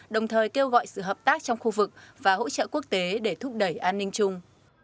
đồng thời kêu gọi sự hợp tác trong khu vực và hỗ trợ quốc tế để thúc đẩy an ninh chung